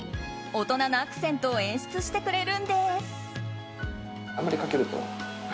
大人のアクセントを演出してくれるんです。